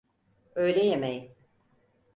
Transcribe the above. Öğle yemeği.